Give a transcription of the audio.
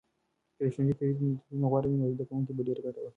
که د ښوونځي تدریس میتودونه غوره وي، نو زده کوونکي به ډیر ګټه واخلي.